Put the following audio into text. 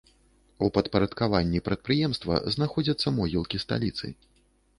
У падпарадкаванні прадпрыемства знаходзяцца могілкі сталіцы.